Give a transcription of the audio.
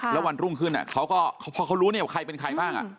แล้ววันรุ่งขึ้นเขาก็พอเขารู้เนี่ยว่าใครเป็นใครบ้าง